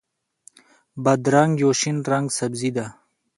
بادرنګ یو شین رنګه سبزي ده.